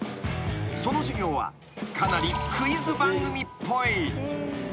［その授業はかなりクイズ番組っぽい］